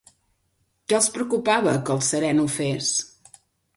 Què els preocupava que el sereno fes?